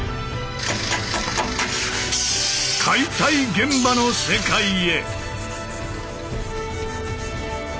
解体現場の世界へ！